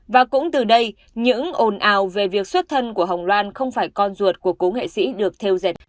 và cũng từ đây những ồn ào về việc xuất thân của hồng loan không phải con ruột của cố nghệ sĩ được theo dệt